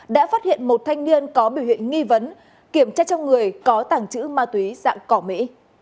đã phát hiện một thanh niên có biểu hiện nghi vấn kiểm tra trong người có tàng trữ ma túy dạng cỏ mỹ